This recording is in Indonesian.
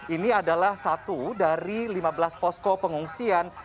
ini adalah satu dari lima belas posko pengungsian